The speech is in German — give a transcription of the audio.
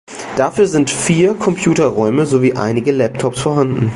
Dafür sind vier Computer-Räume sowie einige Laptops vorhanden.